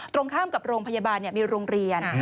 ตรงข้ามกับโรงพยาบาลมีโรงเรียน